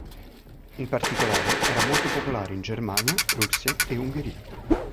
In particolare era molto popolare in Germania, Russia e Ungheria.